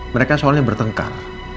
mereka soalnya bertengkar